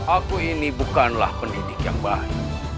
aku ini bukanlah pendidik yang baik